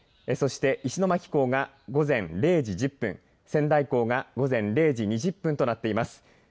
そして石巻港が午前０時１０分仙台港が０時２０分となっています。